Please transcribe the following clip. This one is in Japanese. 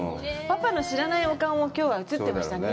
パパの知らないお顔もきょうは映ってましたね。